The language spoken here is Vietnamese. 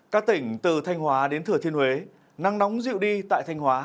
các tỉnh từ thanh hóa đến thừa thiên huế nắng nóng dịu đi tại thanh hóa